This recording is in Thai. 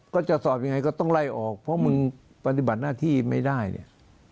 ก็จะสอบยังไงก็ต้องไล่ออกเพราะมึงปฏิบัติหน้าที่ไม่ได้เนี่ย